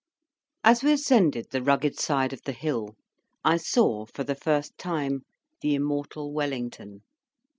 As we ascended the rugged side of the hill, I saw, for the first time, the immortal Wellington.